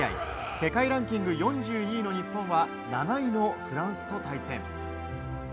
世界ランキング４２位の日本は７位のフランスと対戦。